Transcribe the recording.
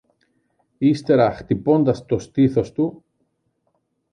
Ύστερα χτυπώντας το στήθος του